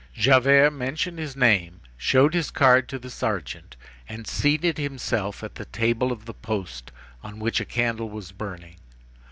Javert mentioned his name, showed his card to the sergeant, and seated himself at the table of the post on which a candle was burning.